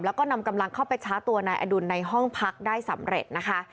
แล้วก็นำกำลังเข้าไปช้าตัวนายอดุลในห้องพักได้สำเร็จนะคะ